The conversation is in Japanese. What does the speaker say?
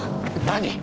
何？